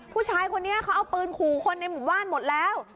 ผู้ชายคนนี้เขาเอาปืนขู่คนในหมู่บ้านหมดแล้ว